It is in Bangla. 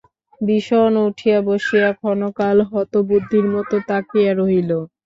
বিষন উঠিয়া বসিয়া ক্ষণকাল হতবুদ্ধির মতো তাকাইয়া রহিল।